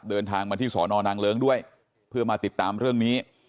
เดินทางมาที่สอนอนางเลิ้งด้วยเพื่อมาติดตามเรื่องนี้